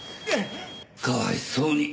かわいそうに。